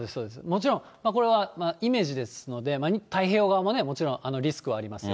もちろんこれはイメージですので、太平洋側もね、もちろん、リスクはあります。